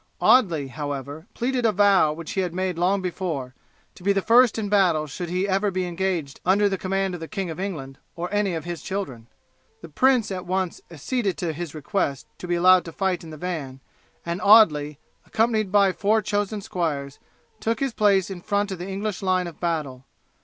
Audley, however, pleaded a vow which he had made long before, to be the first in battle should he ever be engaged under the command of the King of England or any of his children. The prince at once acceded to his request to be allowed to fight in the van, and Audley, accompanied by four chosen squires, took his place in front of the English line of battle.